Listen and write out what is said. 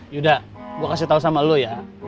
yaudah gue kasih tau sama lu ya